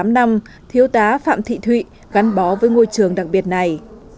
tám năm thiếu tá phạm thị thụy gắn bó với ngôi trường đặc biệt này